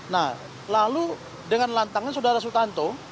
nah lalu dengan lantangan saudara sutanto